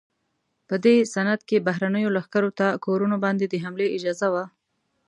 په دې سند کې بهرنیو لښکرو ته کورونو باندې د حملې اجازه وه.